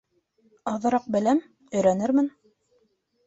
— Аҙыраҡ беләм, өйрәнермен.